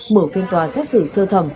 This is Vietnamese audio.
mở phiên tòa xét xử sơ thẩm